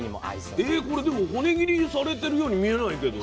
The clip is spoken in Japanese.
これでも骨切りされてるように見えないけど。